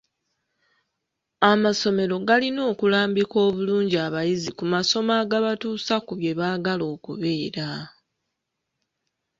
Amasomero galina okulambika obulungi abayizi ku masomo agabatuusa ku bye baagala okubeera.